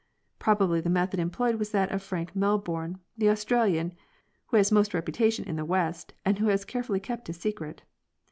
Probably the method employed was that of Frank Melbourne, the Aus tralian, who has most reputation in the west, and who has care fully kept his secret.